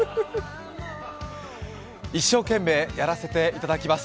一生懸命、やらせていただきます。